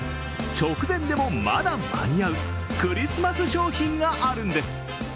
直前でもまだ間に合うクリスマス商品があるんです。